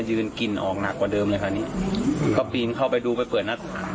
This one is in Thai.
หรือไม่ก็อาจจะเกิดจากการหัวใจวายเพื่อนหน่อยนะฮะ